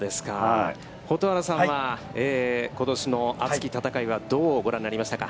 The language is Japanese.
蛍原さんはことしの熱き戦いはどうご覧になりましたか。